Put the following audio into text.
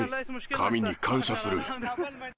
神に感謝する。